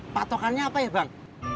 patokannya apa ya bang